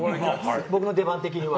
僕の出番的には。